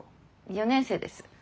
４年生です。